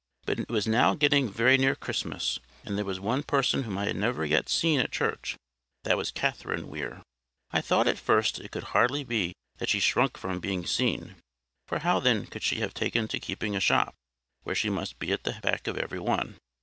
But it was now getting very near Christmas, and there was one person whom I had never yet seen at church: that was Catherine Weir. I thought, at first, it could hardly be that she shrunk from being seen; for how then could she have taken to keeping a shop, where she must be at the beck of every one?